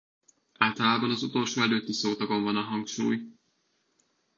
Általában az utolsó előtti szótagon van a hangsúly.